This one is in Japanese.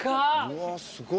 うわすごい。